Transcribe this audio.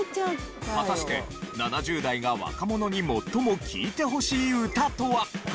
果たして７０代が若者に最も聴いてほしい歌とは？